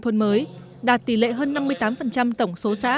thôn mới đạt tỷ lệ hơn năm mươi tám